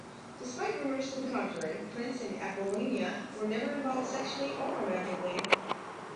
Despite rumors to the contrary, Prince and Apollonia were never involved sexually or romantically.